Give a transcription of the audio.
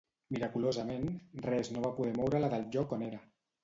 Miraculosament, res no va poder moure-la del lloc on era.